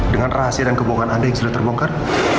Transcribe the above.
dengan rahasia dan kebohongan anda yang sudah terbongkar